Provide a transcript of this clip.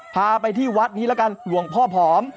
พาไปที่วัดนี้แล้วกันหลวงพ่อผอม